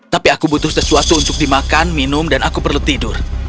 tapi aku butuh sesuatu untuk dimakan minum dan aku perlu tidur